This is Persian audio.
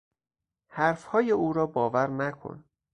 حرفهای او را باور نکن.